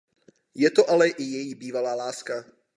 Je to ale i její bývalá láska.